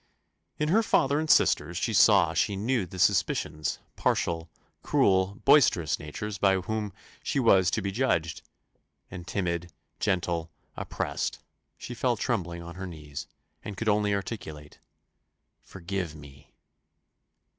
In her father and sisters she saw, she knew the suspicions, partial, cruel, boisterous natures by whom she was to be judged; and timid, gentle, oppressed, she fell trembling on her knees, and could only articulate, "Forgive me."